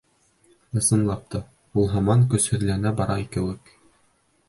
Ысынлап та, ул һаман көсһөҙләнә бара кеүек.